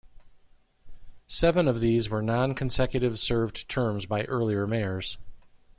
Seven of these were nonconsecutive served terms by earlier mayors.